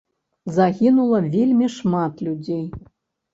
Загінула вельмі шмат людзей.